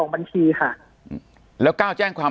ปากกับภาคภูมิ